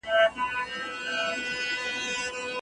که ډاکټر ارام وي، د لوړ ږغ سره به پاڼه ړنګه نه کړي.